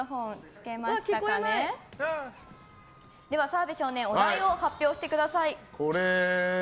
では、澤部少年お題を発表してください。